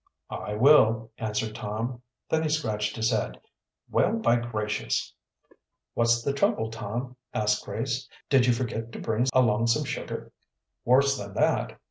"I will," answered Tom. Then he scratched his head. "Well, by gracious!" "What's the trouble, Tom?" asked Grace. "Did you forget to bring along some sugar?" "Worse than that.